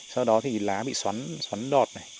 sau đó thì lá bị xoắn đọt này